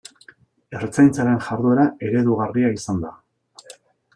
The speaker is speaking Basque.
Ertzaintzaren jarduera eredugarria izan da.